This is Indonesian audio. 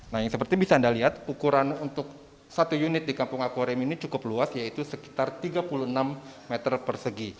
nah yang seperti bisa anda lihat ukuran untuk satu unit di kampung akwarium ini cukup luas yaitu sekitar tiga puluh enam meter persegi